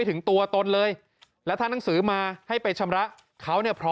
รวยมาก